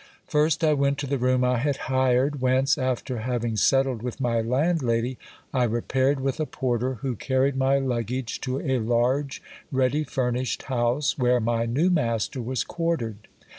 First I went to the room I had hired, whence, after having settled with my landlady, I repaired with a porter who carried my luggage to a large ready furnished house, where my new master was quartered.